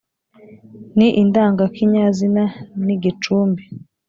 ni indangakinyazina ni gicumbi